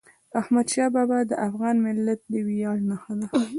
احمدشاه بابا د افغان ملت د ویاړ نښه ده.